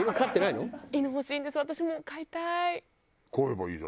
私も飼いたい！